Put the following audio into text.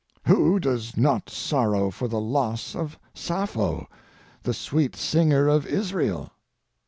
Who does not sorrow for the loss of Sappho, the sweet singer of Israel?